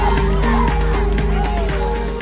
กลับมาที่นี่